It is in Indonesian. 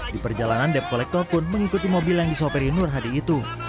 di perjalanan dep kolektor pun mengikuti mobil yang disoperi nur hadi itu